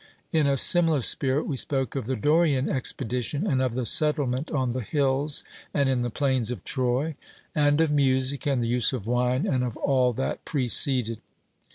In a similar spirit we spoke of the Dorian expedition, and of the settlement on the hills and in the plains of Troy; and of music, and the use of wine, and of all that preceded.